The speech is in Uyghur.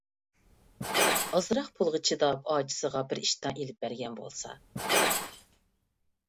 ئازراق پۇلغا چىداپ ئاچىسىغا بىر ئىشتان ئېلىپ بەرگەن بولسا.